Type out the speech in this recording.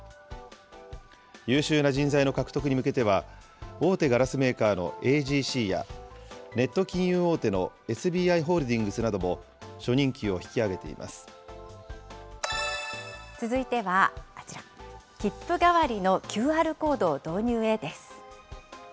優秀な人材の獲得に向けては、大手ガラスメーカーのＡＧＣや、ネット金融大手のＳＢＩホールディングスなども初任給を引き上げ続いてはこちら、切符代わりのＱＲコードを導入へです。